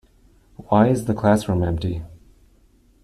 Why is the classroom empty?